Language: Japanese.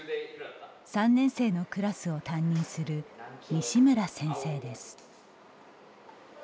３年生のクラスを担任する西村先生です。